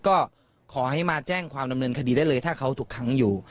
ก็ขอให้มาแจ้งความดำเนินคดีได้เลยถ้าเขาถูกค้างอยู่